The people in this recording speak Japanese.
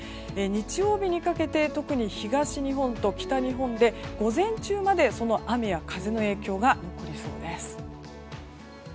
日曜日にかけて特に東日本と北日本で午前中までその雨や風の影響が残りそうです。